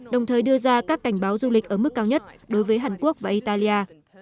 đồng thời đưa ra các cảnh báo du lịch ở mức cao nhất đối với hàn quốc và italia